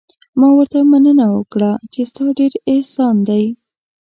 ما ورته مننه وکړه چې ستا ډېر زیات احسان دی.